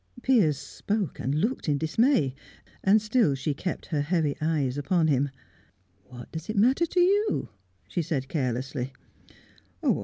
Piers spoke and looked in dismay; and still she kept her heavy eyes on him. "What does it matter to you?" she asked carelessly.